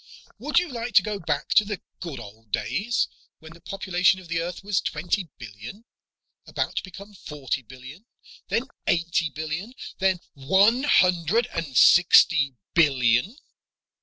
"Would you like to go back to the good old days, when the population of the Earth was twenty billion about to become forty billion, then eighty billion, then one hundred and sixty billion?